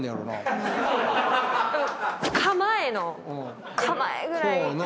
構えの構えぐらいから。